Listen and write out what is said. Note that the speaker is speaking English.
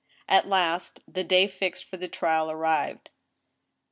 At last, the day fixed for the trial arrived.